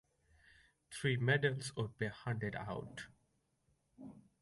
Three medals would be handed out.